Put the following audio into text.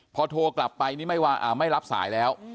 พอโทรกลับไปนี่ไม่รับสายแล้ว